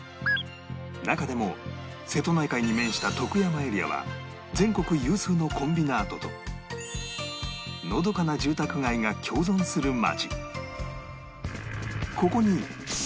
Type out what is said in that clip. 中でも瀬戸内海に面した徳山エリアは全国有数のコンビナートとのどかな住宅街が共存する町